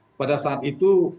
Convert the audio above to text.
ketika pada saat itu